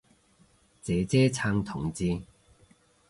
姐姐撐同志